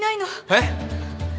えっ！？